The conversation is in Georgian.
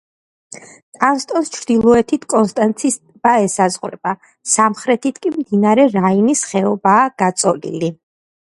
კანტონს ჩრდილოეთით კონსტანცის ტბა ესაზღვრება, სამხრეთით კი მდინარე რაინის ხეობაა გაწოლილი.